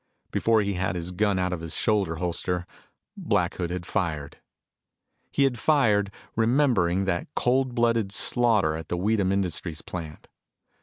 Before he had his gun out of his shoulder holster, Black Hood had fired. He had fired, remembering that cold blooded slaughter at the Weedham Industries plant.